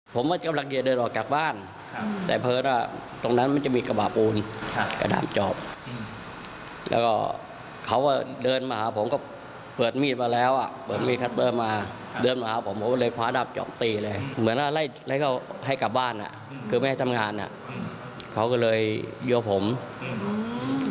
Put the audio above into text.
เกี่ยวให้กลับบ้านอ่ะคือไม่ให้ทำงานอ่ะเขาก็เลยโยวผมอื้อ